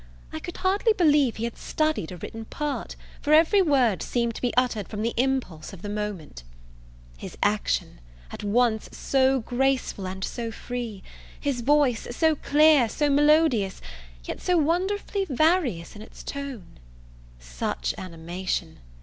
I could hardly believe he had studied a written part, for every word seemed to be uttered from the impulse of the moment. His action at once so graceful and so free! his voice so clear, so melodious, yet so wonderfully various in its tones! Such animation!